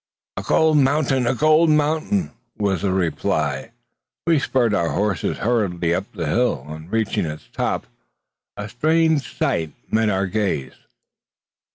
"A gold mountain! a gold mountain!" was the reply. We spurred our horses hurriedly up the hill. On reaching its top, a strange sight met our gaze.